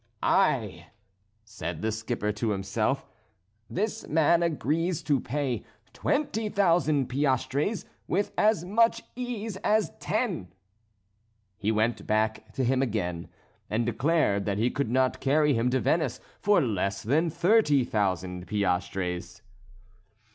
"Ay!" said the skipper to himself, "this man agrees to pay twenty thousand piastres with as much ease as ten." He went back to him again, and declared that he could not carry him to Venice for less than thirty thousand piastres.